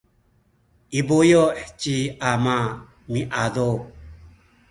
i buyu’ ci ama miadup